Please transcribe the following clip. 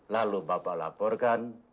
lalu bapak laporkan